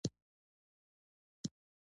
• واده د نېکمرغۍ راز دی.